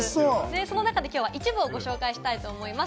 その中で、きょうは一部をご紹介したいと思います。